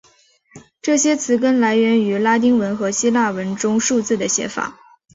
这些词根来源于拉丁文和希腊文中数字的写法。